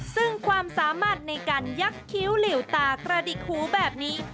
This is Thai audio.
ซึ่งความสามารถในการยักษ์คิ้วหลิวตากระดิกหูแบบนี้